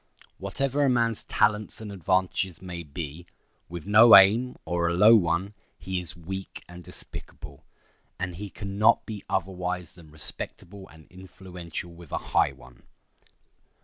Whatever a man's talents and advantages may be, with no aim, or a low one, he is weak and despicable; and he can not be otherwise than respectable and influential with a high one.